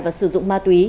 và sử dụng ma túy